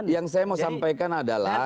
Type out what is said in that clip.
yang saya mau sampaikan adalah